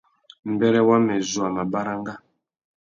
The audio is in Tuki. Mbêrê wamê zu a mà baranga.